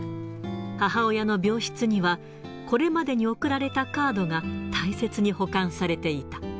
母親の病室には、これまでに贈られたカードが大切に保管されていた。